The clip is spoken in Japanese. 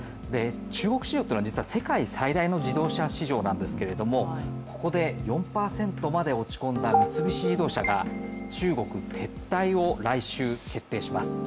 中国市場というのは世界最大の自動車市場なんですけど、ここで４％まで落ち込んだ三菱自動車が中国撤退を来週決定します。